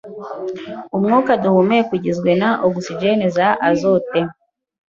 Umwuka duhumeka ugizwe na ogisijeni na azote.